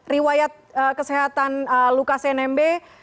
riwayat kesehatan lukas nmb